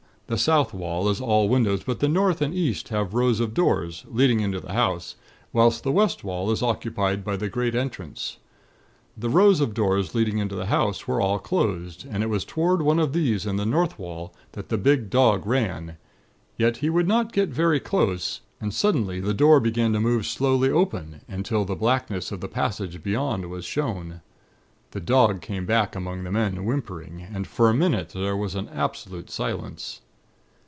The south wall is all windows; but the north and east have rows of doors, leading into the house, whilst the west wall is occupied by the great entrance. The rows of doors leading into the house were all closed, and it was toward one of these in the north wall that the big dog ran; yet he would not go very close; and suddenly the door began to move slowly open, until the blackness of the passage beyond was shown. The dog came back among the men, whimpering, and for a minute there was an absolute silence.